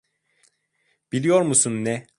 Biliyor musun ne?